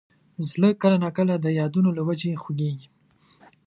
زړه کله نا کله د یادونو له وجې خوږېږي.